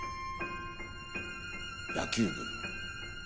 野球部。